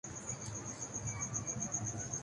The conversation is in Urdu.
خدا کے لئے ایمان کو داڑھی سے الگ کر دو